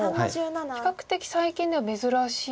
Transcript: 比較的最近では珍しいですよね。